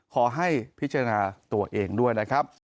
ขอให้พิจารณาตัวเองด้วยนะครับ